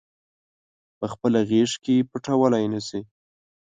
پخپله غیږ کې پټولای نه شي